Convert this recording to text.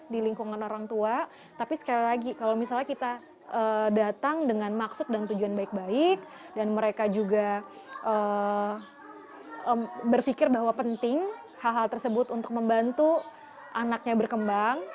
di lingkungan orang tua tapi sekali lagi kalau misalnya kita datang dengan maksud dan tujuan baik baik dan mereka juga berpikir bahwa penting hal hal tersebut untuk membantu anaknya berkembang